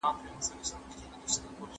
ښوونځي باید خوندي او خوندي چاپېریال ولري.